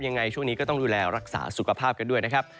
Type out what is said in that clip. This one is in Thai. ยังไงช่วงนี้ก็ต้องดูแลรักษาสุขภาพกันด้วยนะครับ